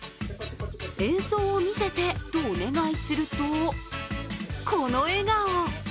演奏を見せてとお願いするとこの笑顔。